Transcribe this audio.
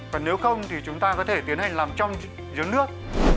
và nếu không thì chúng ta có thể tiến hành làm trong giếng nước